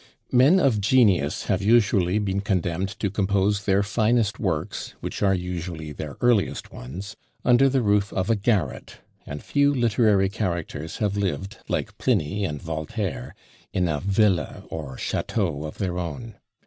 Men of genius have usually been condemned to compose their finest works, which are usually their earliest ones, under the roof of a garret; and few literary characters have lived, like Pliny and Voltaire, in a villa or château of their own.